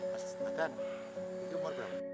mas adan itu program